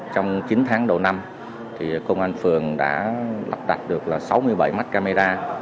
trong chín tháng đầu năm công an phường đã lập đặt được sáu mươi bảy mắt camera